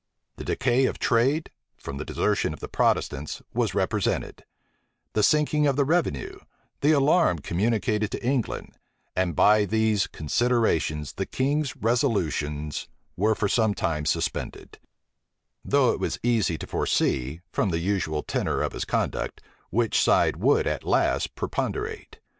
The decay of trade, from the desertion of the Protestants, was represented; the sinking of the revenue; the alarm communicated to England: and by these considerations the king's resolutions were for some time suspended; though it was easy to foresee, from the usual tenor of his conduct, which side would at last preponderate.